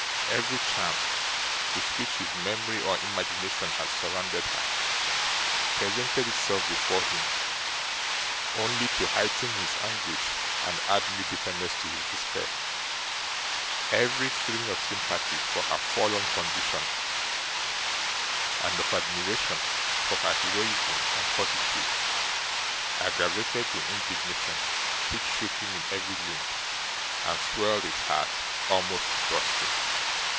Every charm with which his memory or imagination had surrounded her, presented itself before him, only to heighten his anguish and add new bitterness to his despair. Every feeling of sympathy for her forlorn condition, and of admiration for her heroism and fortitude, aggravated the indignation which shook him in every limb, and swelled his heart almost to bursting.